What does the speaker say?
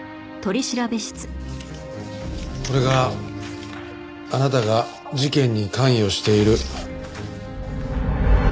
これがあなたが事件に関与している証拠です。